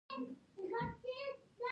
هغه د کمپیوټر جوړونکي د ګوتو بندونه ونیول